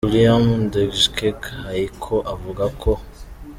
Guillaume Ndjike Kaiko, avuga ko